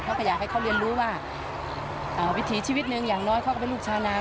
อยากให้เขาเรียนรู้ว่าวิถีชีวิตหนึ่งอย่างน้อยเขาก็เป็นลูกชาวนา